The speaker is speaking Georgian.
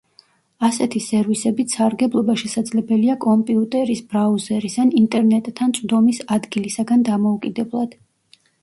ასეთი სერვისებით სარგებლობა შესაძლებელია კომპიუტერის, ბრაუზერის ან ინტერნეტთან წვდომის ადგილისაგან დამოუკიდებლად.